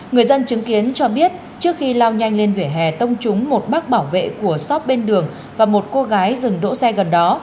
người dân chứng kiến cho biết trước khi lao nhanh lên vỉa hè tông trúng một bác bảo vệ của shop bên đường và một cô gái dừng đỗ xe gần đó